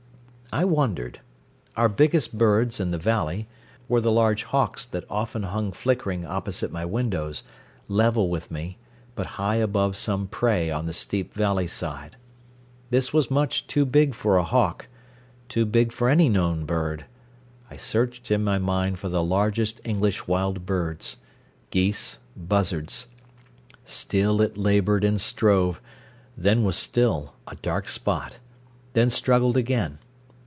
I wondered. Our biggest birds, in the valley, were the large hawks that often hung flickering opposite my windows, level with me, but high above some prey on the steep valley side. This was much too big for a hawk too big for any known bird. I searched in my mind for the largest English wild birds geese, buzzards. Still it laboured and strove, then was still, a dark spot, then struggled again.